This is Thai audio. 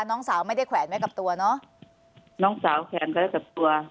น้องสาวไม่ได้แขวนไว้กับตัวเนอะน้องสาวแขนก็ได้กับตัว